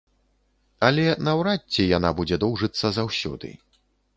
Але наўрад ці яна будзе доўжыцца заўсёды.